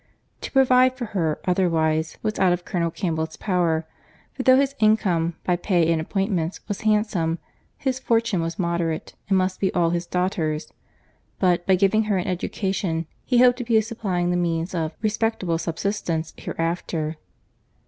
To provide for her otherwise was out of Colonel Campbell's power; for though his income, by pay and appointments, was handsome, his fortune was moderate and must be all his daughter's; but, by giving her an education, he hoped to be supplying the means of respectable subsistence hereafter.